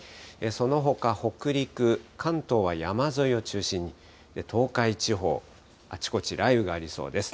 そのほか、北陸、関東は山沿いを中心に、東海地方、あちこち雷雨がありそうです。